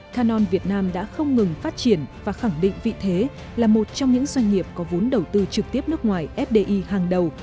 canon việt nam đã không ngừng phát triển và khẳng định vị thế là một trong những doanh nghiệp có vốn đầu tư trực tiếp nước ngoài fdi hàng đầu